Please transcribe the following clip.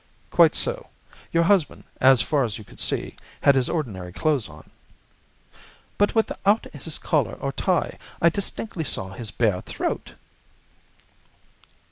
"Quite so. Your husband, as far as you could see, had his ordinary clothes on?" "But without his collar or tie. I distinctly saw his bare throat."